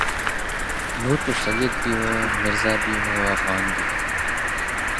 یوں تو سید بھی ہو مرزابھی ہوافغان بھی ہو